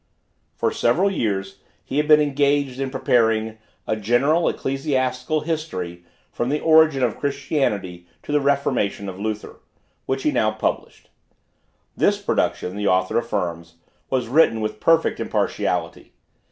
For several years he had been engaged in preparing "A General Ecclesiastical History from the origin of Christianity to the Reformation of Luther," which he now published. This production, the author affirms, was written with perfect impartiality.